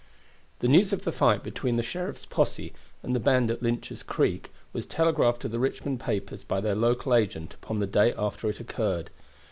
The news of the fight between the sheriff's posse and the band at Lynch's Creek was telegraphed to the Richmond papers by their local agent upon the day after it occurred.